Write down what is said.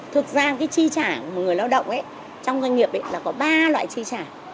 thực ra cái chi trả của người lao động trong doanh nghiệp là có ba loại chi trả